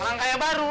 orang kaya baru